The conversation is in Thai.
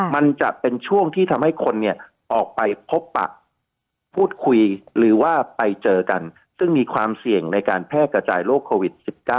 มันจะเป็นช่วงที่ทำให้คนออกไปพบปะพูดคุยหรือว่าไปเจอกันซึ่งมีความเสี่ยงในการแพร่กระจายโรคโควิด๑๙